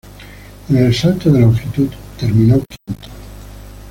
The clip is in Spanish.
En el salto de longitud, terminó quinto.